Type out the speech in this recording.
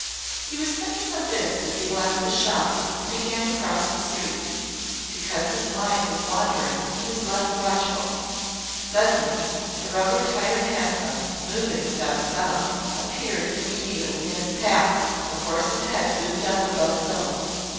He was thinking of this as he left the shop and began to cross the street. Because his mind was wandering he was less watchful. Suddenly a rubber tired hansom, moving without sound, appeared immediately in his path the horse's head loomed up above his own.